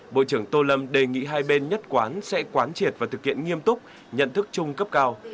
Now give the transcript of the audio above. bộ trưởng tô lâm đề nghị hai bên nhất quán sẽ quán triệt và thực hiện nghiêm túc nhận thức chung cấp cao